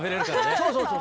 そうそうそう。